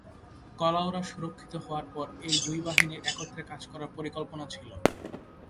কুলাউড়া সুরক্ষিত হওয়ার পর এই দুই বাহিনীর একত্রে কাজ করার পরিকল্পনা ছিল।